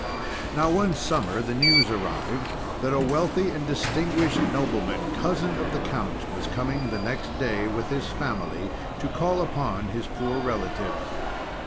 Now, one Summer the news arrived that a wealthy and distinguished nobleman, cousin of the Count, was coming the next day, with his family, to call upon his poor relatives.